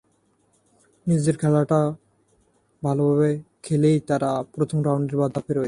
নিজেদের খেলাটা ভালোভাবে খেলেই তারা প্রথম রাউন্ডের বাধা পেরোয়।